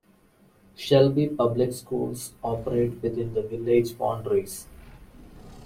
Shelby Public Schools operate within the Village boundaries.